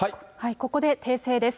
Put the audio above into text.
ここで訂正です。